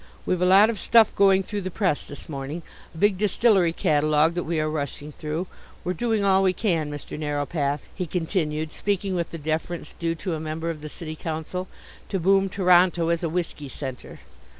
"We've a lot of stuff going through the press this morning a big distillery catalogue that we are rushing through. We're doing all we can, Mr. Narrowpath," he continued, speaking with the deference due to a member of the City Council, "to boom Toronto as a Whisky Centre."